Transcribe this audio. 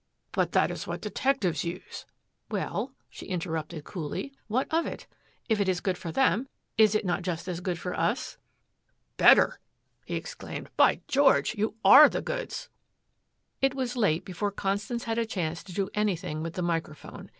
"But that is what detectives use " "Well?" she interrupted coolly, "what of it? If it is good for them, is it not just as good for us?" "Better!" he exclaimed. "By George, you ARE the goods." It was late before Constance had a chance to do anything with the microphone.